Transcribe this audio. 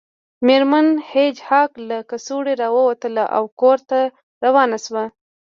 میرمن هیج هاګ له کڅوړې راووتله او کور ته روانه شوه